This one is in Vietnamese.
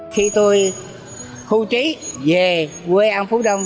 khi tôi hưu trí về quê an phú đông